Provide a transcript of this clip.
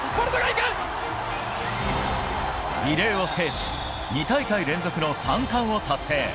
リレーを制し２大会連続の３冠を達成。